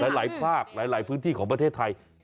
หลายภาคหลายพื้นที่ของประเทศไทย